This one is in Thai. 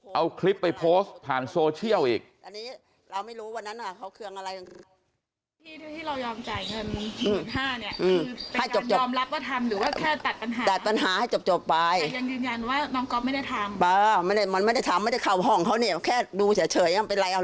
เป็นคนมันต้องโพสท์ทุกคนเอาคลิปไปโพสพ์ผ่านโซเชียลอีกอันนี้เราไม่รู้ว่านั้นคือเขาเครื่องอะไรกับ